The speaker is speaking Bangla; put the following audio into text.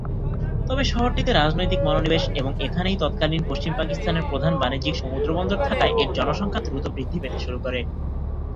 তবে শহরটিতে রাজনৈতিক মনোনিবেশ এবং এখানেই তৎকালীন পশ্চিম পাকিস্তানের প্রধান বাণিজ্যিক সমুদ্রবন্দর থাকায় এর জনসংখ্যা দ্রুত বৃদ্ধি পেতে শুরু করে।